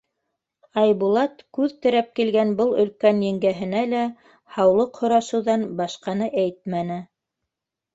Айбулат күҙ терәп килгән был өлкән еңгәһенә лә һаулыҡ һорашыуҙан башҡаны әйтмәне.